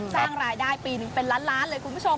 สร้างรายได้ปีหนึ่งเป็นล้านล้านเลยคุณผู้ชม